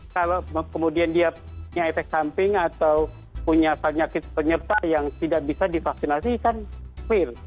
kalau kemudian dia punya efek samping atau punya penyakit penyerta yang tidak bisa divaksinasi kan clear